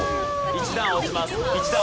１段落ちます。